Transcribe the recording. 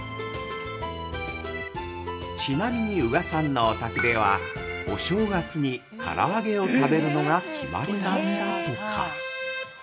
◆ちなみに、宇賀さんのお宅ではお正月に、から揚げを食べるのが決まりなんだとか。